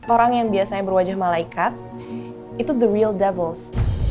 orang yang biasanya berwajah malaikat itu the real doubles